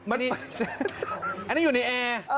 อันนี้อยู่ในแอร์